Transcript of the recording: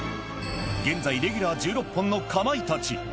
現在、レギュラー１６本のかまいたち。